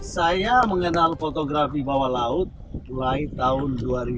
saya mengenal fotografi bawah laut mulai tahun dua ribu dua